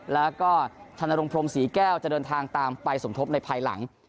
แล้วก็ธนรงพรมศรีแก้วจะเดินทางตามไปสมทบในภายหลัง